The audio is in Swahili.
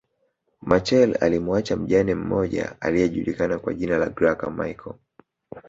Machel alimuacha mjane mmoja aliyejulikana kwa jina la Graca Michael